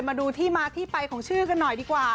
มาดูที่มาที่ไปของชื่อกันหน่อยดีกว่า